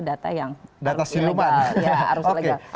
data yang harus legal